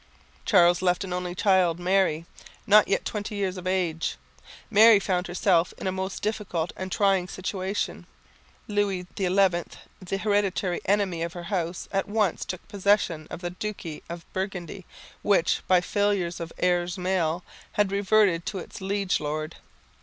Charles left an only child, Mary, not yet twenty years of age. Mary found herself in a most difficult and trying situation. Louis XI, the hereditary enemy of her house, at once took possession of the duchy of Burgundy, which by failure of heirs male had reverted to its liege lord.